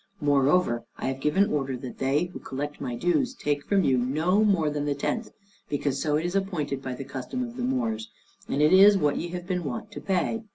Moreover, I have given order that they who collect my dues take from you no more than the tenth, because so it is appointed by the custom of the Moors, and it is what ye have been wont to pay.